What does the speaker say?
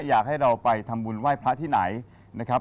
อยากให้เราไปทำบุญไหว้พระที่ไหนนะครับ